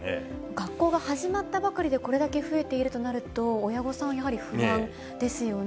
学校が始まったばかりでこれだけ増えているとなると、親御さん、やはり不安ですよね。